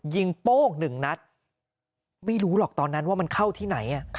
โป้งหนึ่งนัดไม่รู้หรอกตอนนั้นว่ามันเข้าที่ไหน